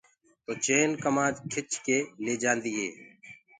تو چين ڪمآد کِچ ڪي لي جآندي۔